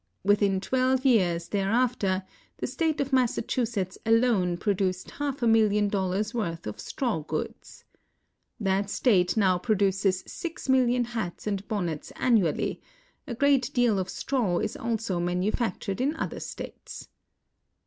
Within twelve years there after the State of Massachusetts alone produced half a million dollars' worth of straw goods. That State now produces six million hats and bonnets annually; a great deal of straw is also manufactured in other States.